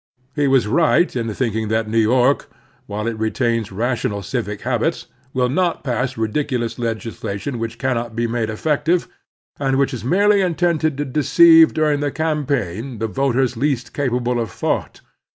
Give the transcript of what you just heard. He was right in thinking that New York, while it retains rational civic habits, will not pass ridiculous legislation which cannot be made effective, and which is merely intended to deceive dining the campaign the voters least capable of thought.